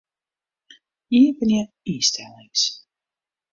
Iepenje ynstellings.